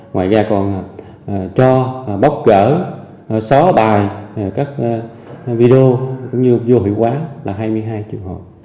ngoài ra còn cho bóc gỡ xó bài các video cũng như vô hữu quán là hai mươi hai trường hợp